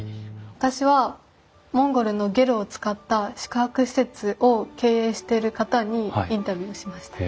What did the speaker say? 私はモンゴルのゲルを使った宿泊施設を経営してる方にインタビューをしました。